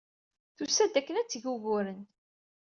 Tusa-d akken ad d-teg uguren.